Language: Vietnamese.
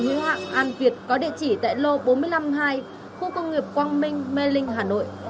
hữu hạng an việt có địa chỉ tại lô bốn trăm năm mươi hai khu công nghiệp quang minh mê linh hà nội